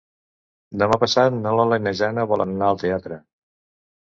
Demà passat na Lola i na Jana volen anar al teatre.